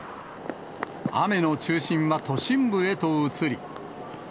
雨の中心は都心部へと移り。